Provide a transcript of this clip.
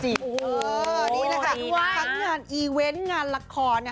นี่แหละค่ะทั้งงานอีเวนต์งานละคร